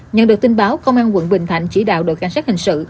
nhận được tin báo công an quận bình thạnh chỉ đạo đội can sát hành sự